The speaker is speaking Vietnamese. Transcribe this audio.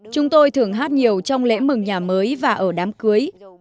chúng tôi thường hát nhiều trong lễ mừng nhà mới và ở đám cưới